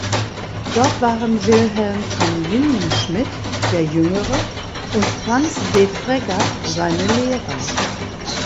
Dort waren Wilhelm von Lindenschmit der Jüngere und Franz Defregger seine Lehrer.